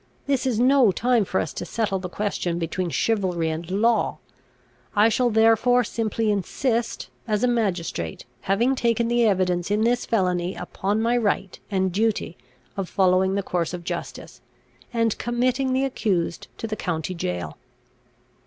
This is no time for us to settle the question between chivalry and law. I shall therefore simply insist as a magistrate, having taken the evidence in this felony, upon my right and duty of following the course of justice, and committing the accused to the county jail."